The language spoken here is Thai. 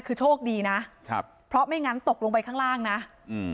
คือโชคดีนะครับเพราะไม่งั้นตกลงไปข้างล่างนะอืม